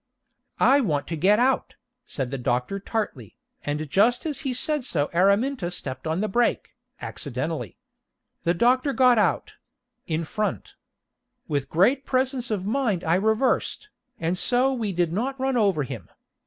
"I want to get out," said the doctor tartly, and just as he said so Araminta stepped on the brake, accidentally. The doctor got out in front. With great presence of mind I reversed, and so we did not run over him.